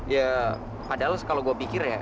ya padahal kalau gue pikir ya